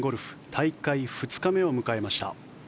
大会２日目を迎えました。